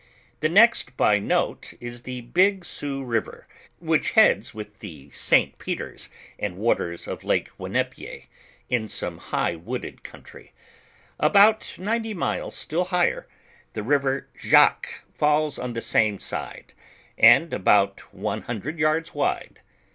The next by nute is the Big Hioux ri^cr, which heads with the St. Peters, and waters of lake Winnepie, in some high wooded country. About ninety miles still higher, the river Jacque falls on the same side; and about one hundred yards wide.